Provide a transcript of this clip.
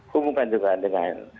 hubungkan juga dengan